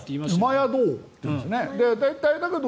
厩戸王っていうんですね。